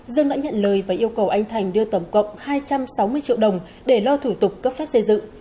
dương đã nhận lời và yêu cầu anh thành đưa tổng cộng hai trăm sáu mươi triệu đồng để lo thủ tục cấp phép xây dựng